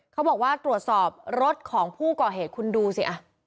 เขาบอกว่าตรวจสอบรถของผู้ก่อเหตุคุณดูสิ